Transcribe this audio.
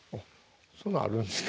そんなんあるんすか？